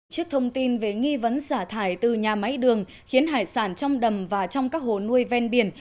trước thông tin về nghi vấn xả thải từ nhà máy đường khiến hải sản trong đầm và trong các hồ nuôi ven biển